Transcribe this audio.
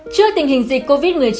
trước tình hình dịch covid một mươi chín